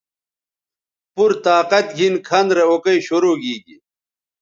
پورطاقت گھن کھن رے اوکئ شرو گیگی